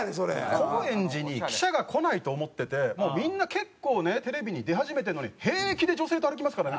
高円寺に記者が来ないと思っててもうみんな結構ねテレビに出始めてるのに平気で女性と歩きますからね。